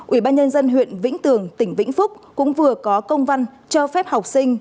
ubnd huyện vĩnh tường tỉnh vĩnh phúc cũng vừa có công văn cho phép học sinh